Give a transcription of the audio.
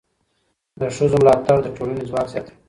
د ښځو ملاتړ د ټولنې ځواک زیاتوي.